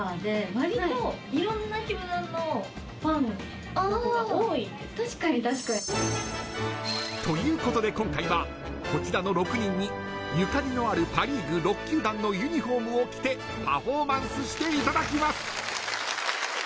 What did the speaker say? そして、リクエストを受けたというわけで、今回はこちらの６人にゆかりのあるパ・リーグ６球団のユニホームを着てパフォーマンスしていただきます。